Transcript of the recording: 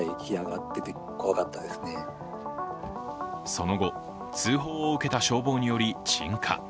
その後、通報を受けた消防により鎮火。